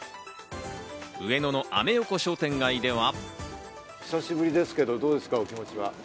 上野のアメ横商店街では。